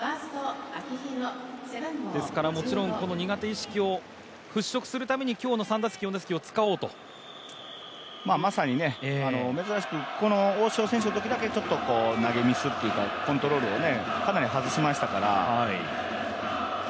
もちろんこの苦手意識をふっしょくするために今日の３打席、４打席をまさに珍しく大城選手の時だけちょっと、投げミスっていうかコントロールをかなり外しましたから。